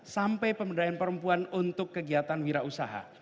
sampai pemberdayaan perempuan untuk kegiatan wirausaha